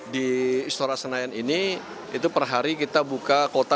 di istora senayan ini itu per hari kita melakukan penukaran uang